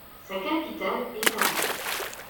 Sa capitale est Tari.